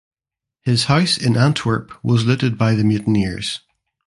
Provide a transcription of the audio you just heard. His house in Antwerp was looted by the mutineers.